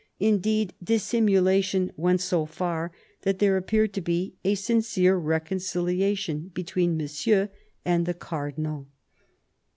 Indeed, " dissimula tion went so far, that there appeared to be a sincere reconciliation between Monsieur and the Cardinal."